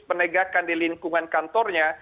penegakan di lingkungan kantornya